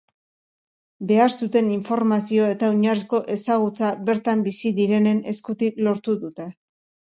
Behar zuten informazio eta oinarrizko ezagutza bertan bizi direnen eskutik lortu dute.